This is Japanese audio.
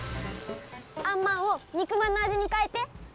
あんまんを肉まんのあじにかえて！